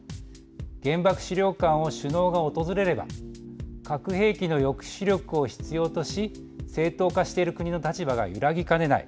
原爆資料館を首脳が訪れれば核兵器の抑止力を必要とし正当化している国の立場が揺らぎかねない。